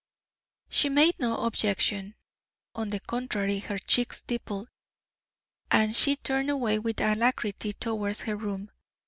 She made no objection. On the contrary her cheeks dimpled, and she turned away with alacrity towards her room.